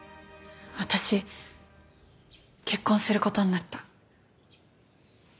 私結婚する事になった。